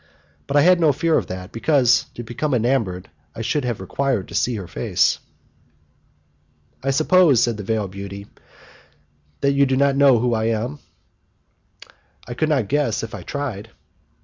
But I had no fear of that, because, to become enamoured, I should have required to see her face. "I suppose," said the veiled beauty, "that you do not know who I am?" "I could not guess, if I tried."